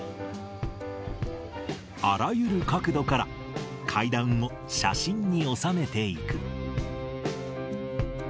あらゆる角度から、階段を写真に収めていく。